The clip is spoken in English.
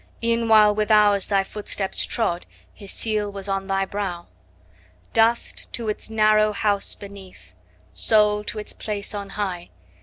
E'en while with ours thy footsteps trod, His seal was on thy brow. Dust, to its narrow house beneath! 5 Soul, to its place on high!